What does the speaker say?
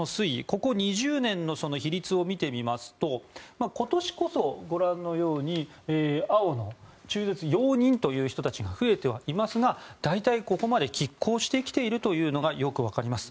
ここ２０年の比率を見てみますと今年こそ、ご覧のように青の中絶容認の人たちが増えてはいますが大体、ここまで拮抗してきているというのがよく分かります。